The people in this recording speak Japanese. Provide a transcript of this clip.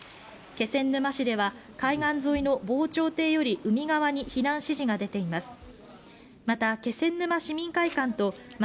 気仙沼市では、海岸沿いの防潮堤より海側に避難指示が出ています。